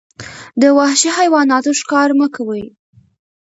د وحشي حیواناتو ښکار مه کوئ.